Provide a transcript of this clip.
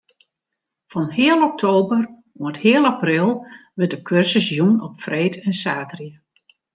Fan heal oktober oant heal april wurdt de kursus jûn op freed en saterdei.